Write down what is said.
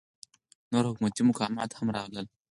نور حکومتي مقامات هم راغلل.